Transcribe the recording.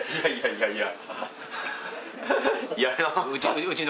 いやいや。